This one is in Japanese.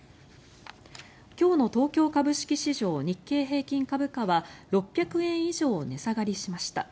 今日の東京株式市場日経平均株価は６００円以上値下がりしました。